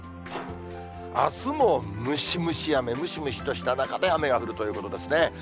あすもムシムシ雨、ムシムシとした中で雨が降るということですね。